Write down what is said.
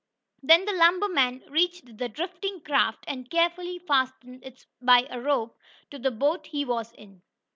Then the lumber man reached the drifting craft, and carefully fastened it by a rope to the boat he was in.